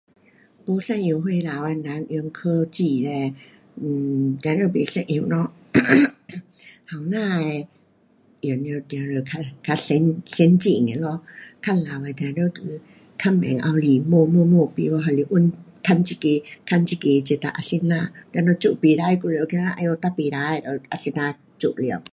用科技嘞，um 当然不一样咯。um 不相同岁数的人用科技嘞 um 当然不一样咯 um 年轻的用了就要较，较先，先进的咯，较老的一定就较慢后面摸，摸，摸，不会还得问，问这个问这个哒得啊怎样，等下做不可的还要起来哎哟哒不行的啊怎么做了。